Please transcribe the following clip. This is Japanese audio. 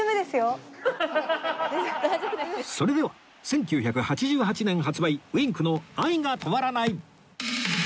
それでは１９８８年発売 Ｗｉｎｋ の『愛が止まらない』